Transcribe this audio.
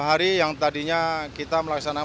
hari yang tadinya kita melaksanakan